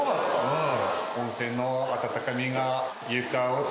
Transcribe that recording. うん。